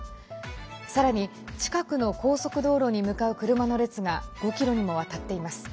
さらに、近くの高速道路に向かう車の列が５ｋｍにもわたっています。